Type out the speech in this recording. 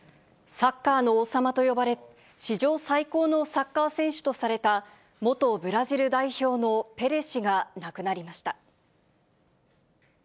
サッカーの王様と呼ばれ、史上最高のサッカー選手とされた元ブラジル代表のペレ氏が亡くなりました。